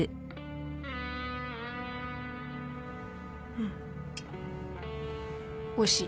うんおいしい